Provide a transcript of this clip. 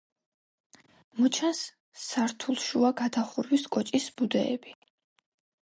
მოჩანს სართულშუა გადახურვის კოჭის ბუდეები.